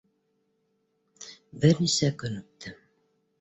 Бер нисә көн үтте.